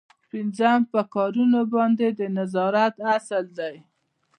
پنځم په کارونو باندې د نظارت اصل دی.